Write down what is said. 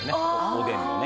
おでんのね。